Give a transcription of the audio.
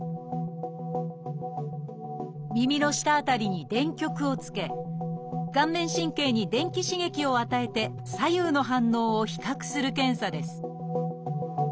耳の下辺りに電極をつけ顔面神経に電気刺激を与えて左右の反応を比較する検査です